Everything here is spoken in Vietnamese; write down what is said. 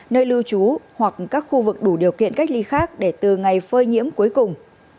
nơi lưu trú hoặc các khu vực đủ điều kiện cách ly khác để từ ngày phơi nhiễm cuối cùng